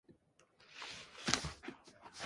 Many times siege towers were set on fire by the Romans.